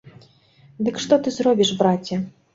Дык што ты зробіш, браце!